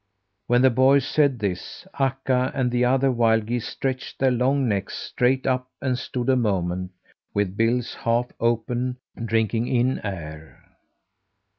When the boy said this, Akka and the other wild geese stretched their long necks straight up and stood a moment, with bills half open, drinking in air.